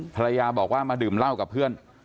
ภรรยาบอกว่ามาดื่มเหล้ากับเพื่อน